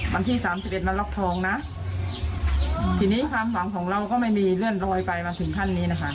วันที่สามสิบเอ็ดมาล็อกทองนะทีนี้ความหวังของเราก็ไม่มีเลื่อนลอยไปมาถึงขั้นนี้นะคะ